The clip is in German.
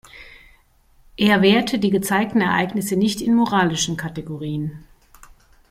Er werte die gezeigten Ereignisse nicht in moralischen Kategorien.